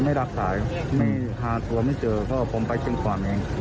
ไม่รักษาไม่หาโทรไม่เจอเพราะว่าผมไปเจ็นฝั่งเอง